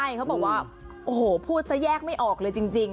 ใช่เขาบอกว่าโอ้โหพูดซะแยกไม่ออกเลยจริง